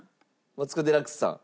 マツコ・デラックスさん。